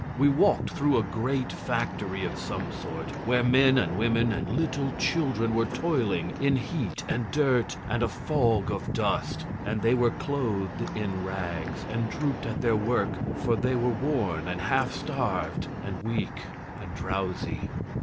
We walked through a great factory of some sort, where men and women and little children were toiling in heat and dirt and a fog of dust; and they were clothed in rags, and drooped at their work, for they were worn and half starved, and weak and drowsy.